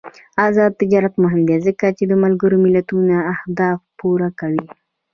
آزاد تجارت مهم دی ځکه چې د ملګرو ملتونو اهداف پوره کوي.